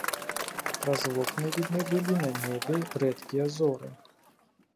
Праз вокны відны былі на небе рэдкія зоры.